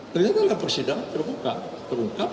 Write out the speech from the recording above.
ternyata dalam persidangan terbuka terungkap